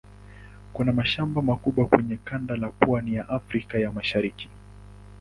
Kuna mashamba makubwa kwenye kanda la pwani ya Afrika ya Mashariki.